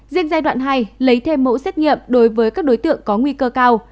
riêng giai đoạn hai lấy thêm mẫu xét nghiệm đối với các đối tượng có nguy cơ cao